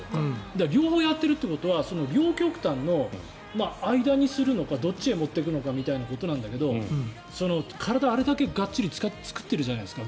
両方やってるということはその両極端の間にするのかどっちへ持っていくのかみたいなことなんだけど体をあれだけがっちり作ってるじゃないですか。